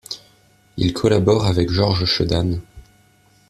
Il collabore avec Georges Chedanne.